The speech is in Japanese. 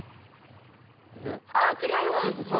あ違います！